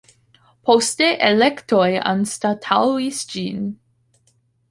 Poste elektoj anstataŭis ĝin.